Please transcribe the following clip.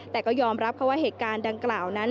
แต่ก็ยอมรับเขาว่าเหตุการณ์ดังกล่าวนั้น